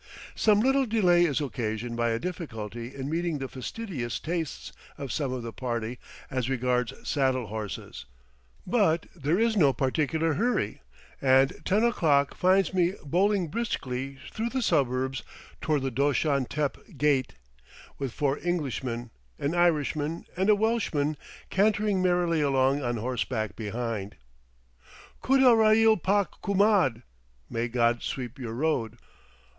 Some little delay is occasioned by a difficulty in meeting the fastidious tastes of some of the party as regards saddle horses; but there is no particular hurry, and ten o'clock finds me bowling briskly through the suburbs toward the Doshan Tepe gate, with four Englishmen, an Irishman, and a Welshman cantering merrily along on horseback behind. "Khuda rail pak Kumad!" (May God sweep your road!)